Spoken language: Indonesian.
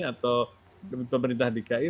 atau pemerintah dki